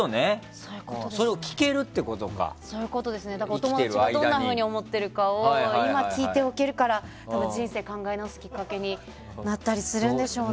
お友達がどんなふうに思ってるかを今、聞いておけるから人生を考え直すきっかけになったりするんでしょうね。